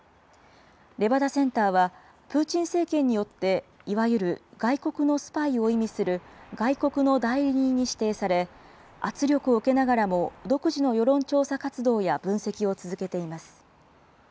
レバダセンターは、プーチン政権によっていわゆる外国のスパイを意味する、外国の代理人に指定され、圧力を受けながらも独自の世論調査活動や分析を続けています。